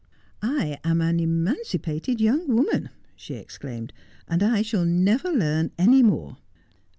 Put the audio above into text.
' I am an emancipated young woman,' she exclaimed, ' and I shall never learn any more.'